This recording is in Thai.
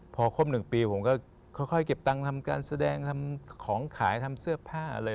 พอครบ๑ปีผมก็ค่อยเก็บตังค์ทำการแสดงทำของขายทำเสื้อผ้าอะไร